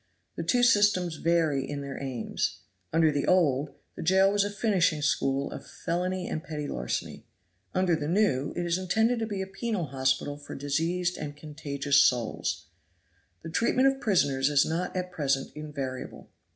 The two systems vary in their aims. Under the old, the jail was a finishing school of felony and petty larceny. Under the new, it is intended to be a penal hospital for diseased and contagious souls. The treatment of prisoners is not at present invariable.